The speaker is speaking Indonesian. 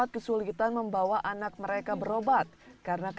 kedua orang tua rusmana